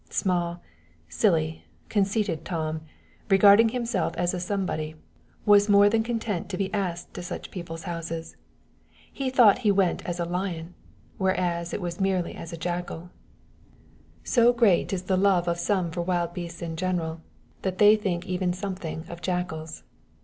Small, silly, conceited Tom, regarding himself as a somebody, was more than content to be asked to such people's houses. He thought he went as a lion, whereas it was merely as a jackal: so great is the love of some for wild beasts in general, that they even think something of jackals.